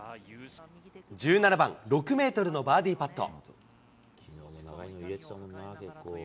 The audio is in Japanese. １７番、６メートルのバーディーパット。